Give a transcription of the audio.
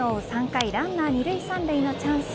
３回ランナー二塁・三塁のチャンス。